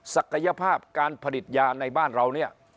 ศักยภาพการผลิตยาในบ้านเราเนี่ย